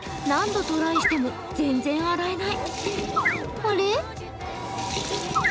何度トライしても全然洗えない。